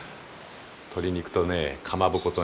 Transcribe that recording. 鶏肉とねかまぼことね。